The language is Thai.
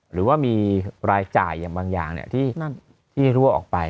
หรือว่ามีรายจ่ายอย่างบางอย่างที่รั่วออกไป